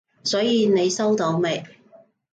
所以你收到未？